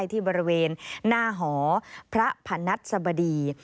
ที่บริเวณหน้าหอพระพนัทสบดี